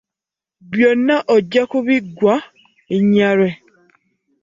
Byonna ojja kubiggwa ennyalwe.